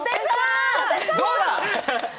どうだ！